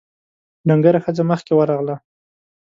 ډنګره ښځه مخکې ورغله: